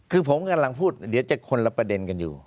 คือผมกำลังพูดเดี๋ยวจะคนละประเด็นกันอยู่